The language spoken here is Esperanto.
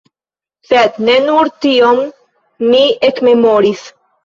Sed ne nur tion mi ekmemoris.